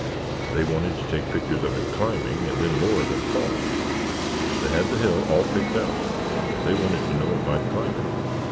They wanted to take pictures of him climbing and then more of him falling. They had the hill all picked out and they wanted to know if I'd climb it.